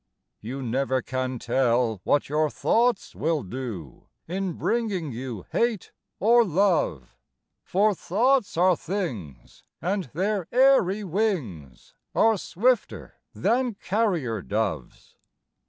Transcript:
You never can tell what your thoughts will do, In bringing you hate or love; For thoughts are things, and their airy wings Are swifter than carrier doves.